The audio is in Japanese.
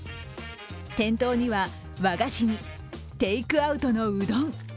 店頭には、和菓子に、テイクアウトのうどん。